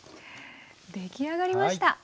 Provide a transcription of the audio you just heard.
出来上がりました！